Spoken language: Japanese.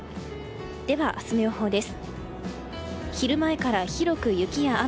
では明日の予報です。